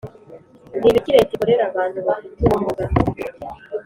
Ni ibiki Leta ikorera abantu bafite ubumuga